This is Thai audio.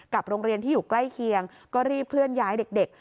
โรงเรียนที่อยู่ใกล้เคียงก็รีบเคลื่อนย้ายเด็ก